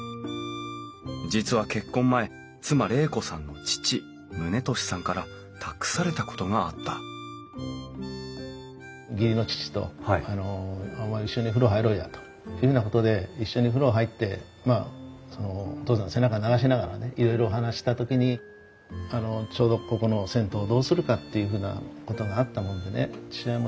実は結婚前妻玲子さんの父宗利さんから託されたことがあったというようなことで一緒に風呂入ってまあお義父さんの背中流しながらねいろいろお話した時にちょうどここの銭湯をどうするかっていうふうなことがあったものでね。